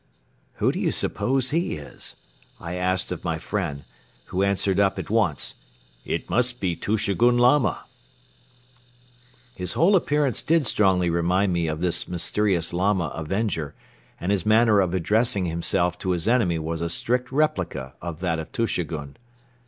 "Who do you suppose he is?" I asked of my friend, who answered up at once: "It must be Tushegoun Lama. ..." His whole appearance did strongly remind me of this mysterious Lama avenger and his manner of addressing himself to his enemy was a strict replica of that of Tushegoun.